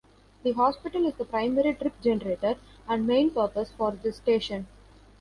The hospital is the primary trip generator and main purpose for this station.